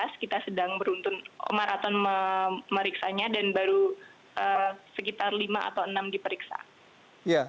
ada empat belas kita sedang beruntun maraton meriksanya